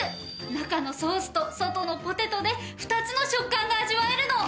中のソースと外のポテトで２つの食感が味わえるの！